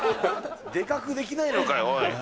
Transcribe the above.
でかくできないのかよ、おい。